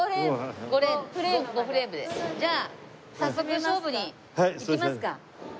じゃあ早速勝負にいきますか。